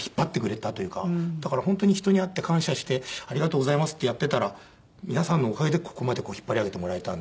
だから本当に人に会って感謝して「ありがとうございます」ってやっていたら皆さんのおかげでここまで引っ張り上げてもらえたんで。